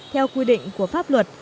theo quy định của pháp luật